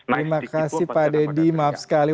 terima kasih pak deddy maaf sekali